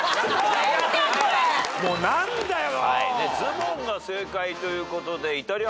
もう何だよ！？